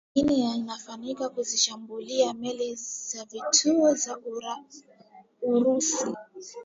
Ukraine yafanikiwa kuzishambulia meli za kivita za Urusi